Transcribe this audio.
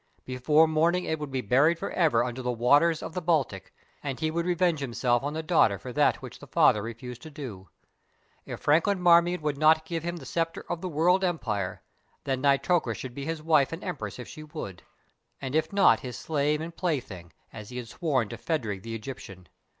Before morning it would be buried for ever under the waters of the Baltic, and he would revenge himself on the daughter for that which the father refused to do. If Franklin Marmion would not give him the sceptre of the World Empire, then Nitocris should be his wife and Empress if she would, and if not, his slave and plaything, as he had sworn to Phadrig the Egyptian.